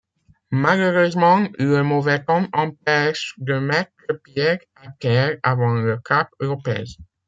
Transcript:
Malheureusement, le mauvais temps empêche de mettre pied à terre avant le cap Lopez.